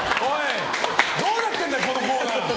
どうなってんだ、このコーナー。